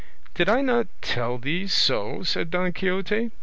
"Did I not tell thee so?" said Don Quixote.